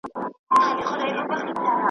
موري خوږېږم سرتر نوکه د پرون له خوارۍ .